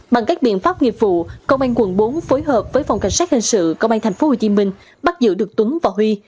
bằng các biện pháp nghiệp vụ công an quận bốn phối hợp với phòng cảnh sát hình sự công an tp hcm bắt giữ được tuấn và huy